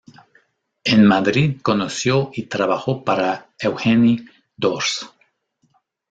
En Madrid conoció y trabajó para Eugeni d'Ors.